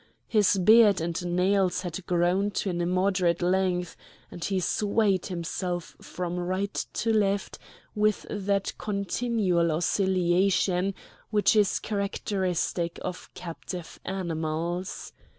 His beard and nails had grown to an immoderate length, and he swayed himself from right to left with that continual oscillation which is characteristic of captive animals.